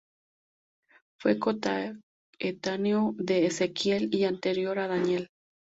Fue coetáneo de Ezequiel y anterior a Daniel.